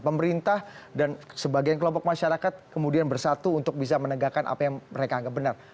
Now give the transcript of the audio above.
pemerintah dan sebagian kelompok masyarakat kemudian bersatu untuk bisa menegakkan apa yang mereka anggap benar